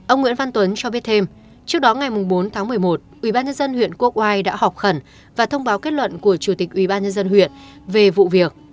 ông nguyễn văn tuấn cho biết thêm trước đó ngày bốn tháng một mươi một ubnd huyện quốc oai đã họp khẩn và thông báo kết luận của chủ tịch ubnd huyện về vụ việc